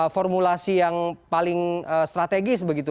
formulasi yang paling strategis begitu